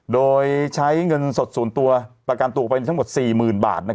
โดยใช้เงินสด๐ตัวประกันตัวไปทั้งหมด๔๐๐๐บาท